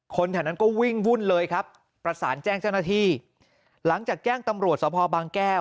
แถวนั้นก็วิ่งวุ่นเลยครับประสานแจ้งเจ้าหน้าที่หลังจากแจ้งตำรวจสภบางแก้ว